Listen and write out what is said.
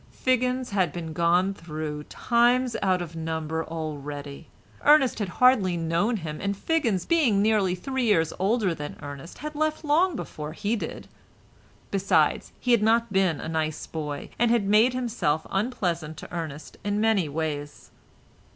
Figgins had been gone through times out of number already. Ernest had hardly known him, and Figgins, being nearly three years older than Ernest, had left long before he did. Besides he had not been a nice boy, and had made himself unpleasant to Ernest in many ways.